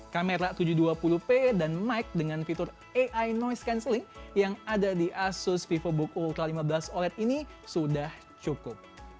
kamera tujuh ratus dua puluh p dan mike dengan fitur ai noise cancelling yang ada di asus vivobook ultra lima belas oled ini sudah cukup